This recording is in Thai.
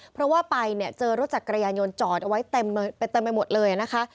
เพราะว่าไปเนี่ยเจอรถจักรยานยนต์จอดเอาไว้เต็มไปหมดเลยนะคะ